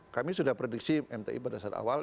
kami sudah prediksi mti pada saat awal